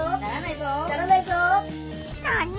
なに！？